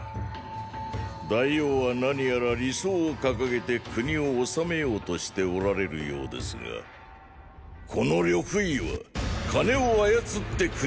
大王は何やら理想をかかげて国を治めようとしておられるようですがこの呂不韋は“金”を操って国を治めまする。